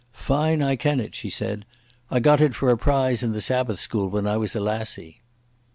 "Fine I ken it," she said. "I got it for a prize in the Sabbath School when I was a lassie."